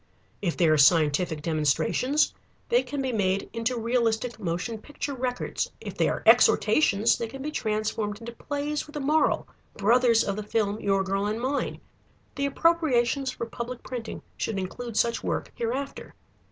If they are scientific demonstrations, they can be made into realistic motion picture records. If they are exhortations, they can be transformed into plays with a moral, brothers of the film Your Girl and Mine. The appropriations for public printing should include such work hereafter.